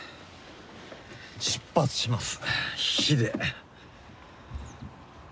出発します。